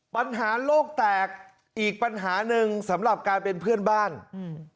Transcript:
ปัญหาโลกแตกอีกปัญหาหนึ่งสำหรับการเป็นเพื่อนบ้านอืม